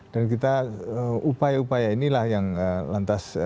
dan kita upaya upaya inilah yang lantas